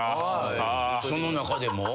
その中でも？